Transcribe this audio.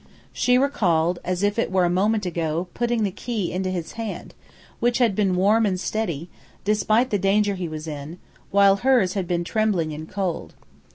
She recalled, as if it were a moment ago, putting the key into his hand, which had been warm and steady, despite the danger he was in, while hers had been trembling and cold.